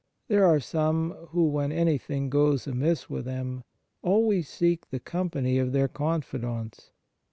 There are some who, when any thing goes amiss with them, always seek the company of their confidants.